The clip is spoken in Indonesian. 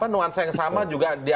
nuansa yang sama juga